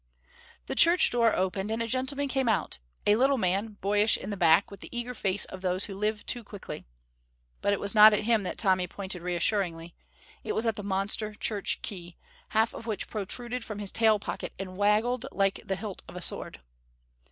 The church door opened and a gentleman came out, a little man, boyish in the back, with the eager face of those who live too quickly. But it was not at him that Tommy pointed reassuringly; it was at the monster church key, half of which protruded from his tail pocket and waggled like the hilt of a sword.